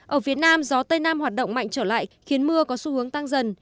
ở phía nam gió tây nam hoạt động mạnh trở lại khiến mưa có xu hướng tăng dần